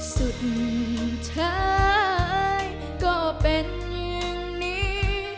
สุดท้ายก็เป็นอย่างนี้